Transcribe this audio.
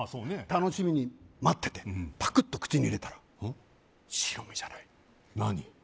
楽しみに待っててパクッと口に入れたら白身じゃない何？